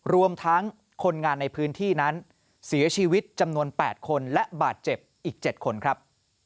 รวมทั้งคนงานในพื้นที่นั้นเสียชีวิตจำนวน๘คนและบาดเจ็บอีก๗คนครับ